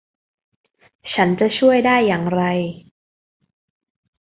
ฉันจะช่วยได้อย่างไร